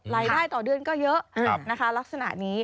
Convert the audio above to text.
รายได้ต่อเดือนก็เยอะนะคะลักษณะนี้